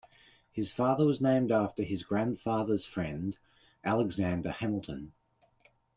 His father was named after his grandfather's friend, Alexander Hamilton.